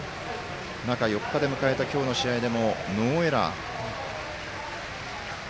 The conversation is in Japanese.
中４日で迎えた今日の試合でもノーエラー。